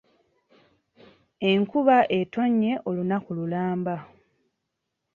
Enkuba etonnye olunaku lulamba.